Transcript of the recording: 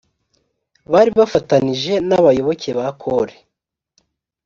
bari bafatanije n’abayoboke ba kore.